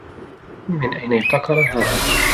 من أين ابتكر هذا؟